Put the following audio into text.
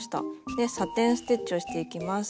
でサテン・ステッチをしていきます。